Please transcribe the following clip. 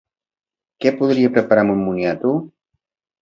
Què podria preparar amb un moniato?